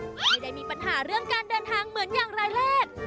ไม่ได้มีปัญหาเรื่องการเดินทางเหมือนอย่างรายแรก